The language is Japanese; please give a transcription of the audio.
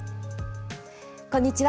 こんにちは。